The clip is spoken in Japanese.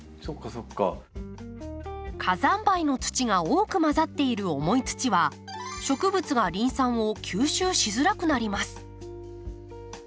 火山灰の土が多く混ざっている重い土は植物がリン酸を吸収しづらくなります。